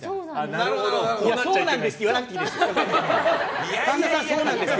そうなんですって言わなくていいよ。